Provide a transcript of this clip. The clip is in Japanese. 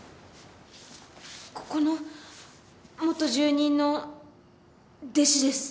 ここの元住人の弟子です。